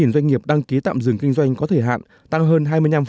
hai mươi một doanh nghiệp đăng ký tạm dừng kinh doanh có thể hạn tăng hơn hai mươi năm